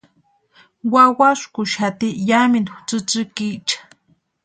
Wawaskuxati yamintu tsïtsïkicha.